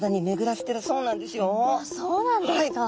そうなんですか。